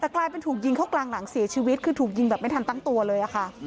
แต่กลายเป็นถูกยิงเข้ากลางหลังเสียชีวิตคือถูกยิงแบบไม่ทันตั้งตัวเลยค่ะ